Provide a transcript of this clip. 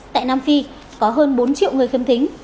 tại nam phi có hơn bốn triệu người khiếm thính